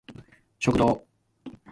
食堂